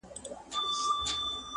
بادرنگ د کرنې یو ښه بوټی دی.